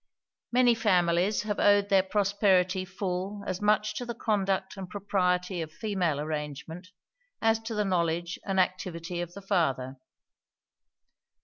Many families have owed their prosperity full as much to the conduct and propriety of female arrangement, as to the knowledge and activity of the father.